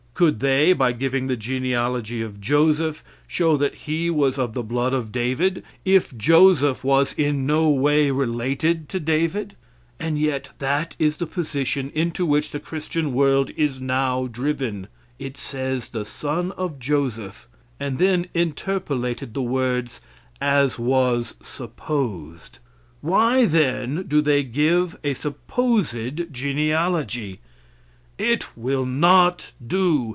Could they, by giving the genealogy of Joseph, show that He was of the blood of David if Joseph was in no way related to David; and yet that is the position into which the Christian world is now driven. It says the son of Joseph, and then interpolated the words "as was supposed." Why, then, do they give a supposed genealogy. It will not do.